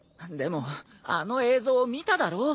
でもあの映像を見ただろ？